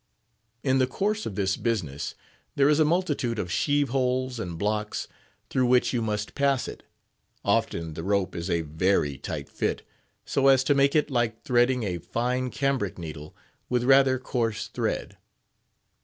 In the course of this business, there is a multitude of sheeve holes and blocks, through which you must pass it; often the rope is a very tight fit, so as to make it like threading a fine cambric needle with rather coarse thread.